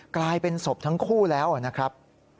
กลายเป็นศพทั้งคู่แล้วนะครับ